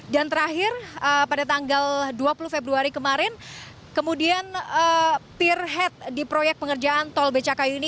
dan terakhir pada tanggal dua puluh februari kemarin kemudian peer head di proyek pengerjaan tol bcku ini